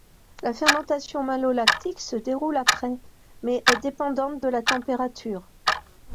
La fermentation malolactique se déroule après mais est dépendante de la température.